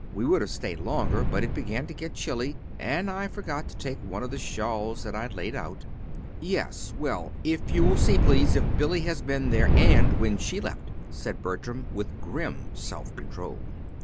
We would have stayed longer, but it began to get chilly, and I forgot to take one of the shawls that I'd laid out." "Yes; well, if you will see, please, if Billy has been there, and when she left," said Bertram, with grim self control.